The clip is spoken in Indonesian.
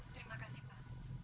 terima kasih pak